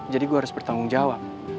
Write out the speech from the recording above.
jadi gue harus bertanggung jawab